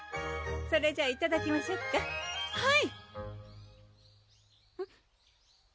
それじゃいただきましょっかはいうん？